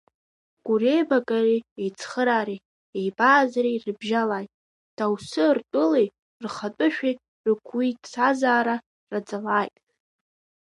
Гуреибагареи, еицхыраареи, еибааӡареи рыбжьалааит, даусы ртәылеи рхатәышәеи рықуиҭзаара раӡалааит!